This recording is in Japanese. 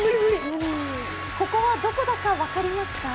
ここはどこだか分かりますか？